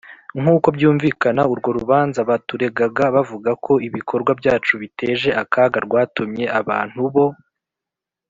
Nk uko byumvikana urwo rubanza baturegaga bavuga ko ibikorwa byacu biteje akaga rwatumye abantu bo